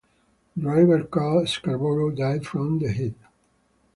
Driver Carl Scarborough died from the heat.